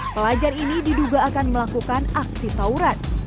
pelajar ini diduga akan melakukan aksi tauran